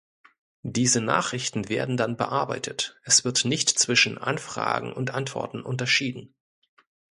Diese Nachrichten werden dann bearbeitet, es wird nicht zwischen "Anfragen" und "Antworten" unterschieden.